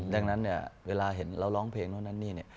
ดังนั้นเนี่ยเวลาเห็นเราร้องเพลงนู่นนั่นนี่เนี่ย